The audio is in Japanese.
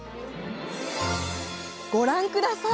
ご覧ください